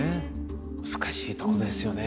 難しいとこですよね。